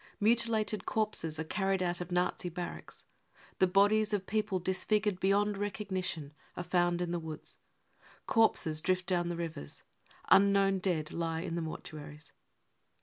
Mutilated corpses j are carried out of Nazi barracks. The bodies of people dis figured beyond recognition are found in woods. Corpses 4 drift down the rivers. " Unknown 55 dead lie in the mor tuaries.